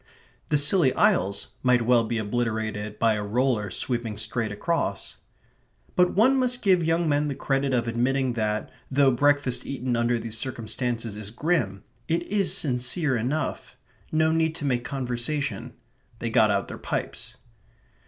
The Scilly Isles might well be obliterated by a roller sweeping straight across. But one must give young men the credit of admitting that, though breakfast eaten under these circumstances is grim, it is sincere enough. No need to make conversation. They got out their pipes.